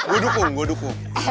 gue dukung gue dukung